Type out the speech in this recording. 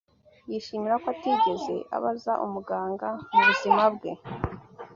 Yishimira ko atigeze abaza umuganga mubuzima bwe